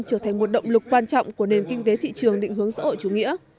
trở thành một động lực quan trọng của nền kinh tế thị trường định hướng xã hội chủ nghĩa